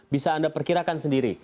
bisa anda perkirakan sendiri